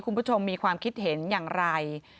คุณผู้ชมมีความคิดเห็นอย่างไร